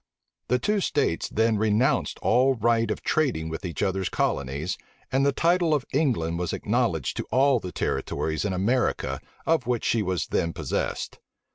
The two states then renounced all right of trading with each other's colonies; and the title of England was acknowledged to all the territories in America of which she was then possessed.